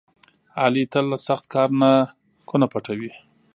علي تل له سخت کار نه کونه پټوي.